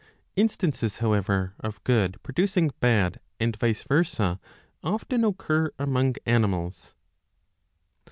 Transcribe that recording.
Instances, however, of good producing bad and vice versa often occur among animals.